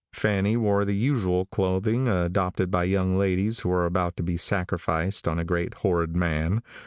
Fanny wore the usual clothing adopted by young ladies who are about to be sacrificed to a great horrid man.